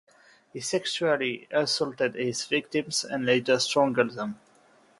He sexually assaulted his victims and later strangled them.